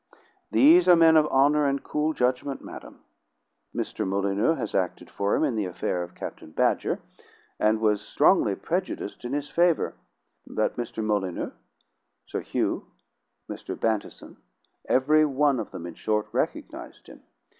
These are men of honor and cool judgment, madam. Mr. Molyneux had acted for him in the affair of Captain Badger, and was strongly prejudiced in his favor; but Mr. Molyneux, Sir Hugh, Mr. Bantison, every one of them, in short, recognized him.